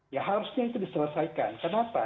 ya harusnya itu diselesaikan kenapa